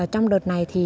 trong đợt này